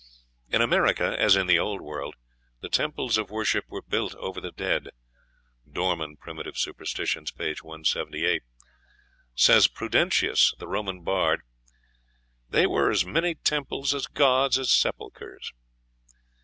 In America, as in the Old World, the temples of worship were built over the dead., (Dorman, "Prim. Superst.," p. 178.) Says Prudentius, the Roman bard, "there were as many temples of gods as sepulchres."